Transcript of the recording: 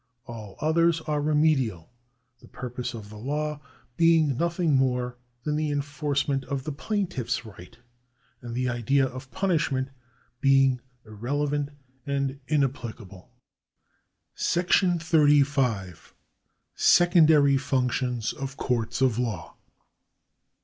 All others are remedial, the purpose of the law being nothing more than the enforcement of the plaintiff's right, and the idea of punishment being irrelevant and inapplicable. § 35. Secondary Functions of Courts of Law.